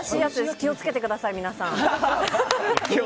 気を付けてください、皆さん。